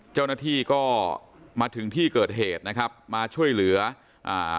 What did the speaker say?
เจ้าหน้าที่ก็มาถึงที่เกิดเหตุนะครับมาช่วยเหลืออ่า